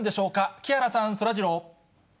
木原さん、そらジロー。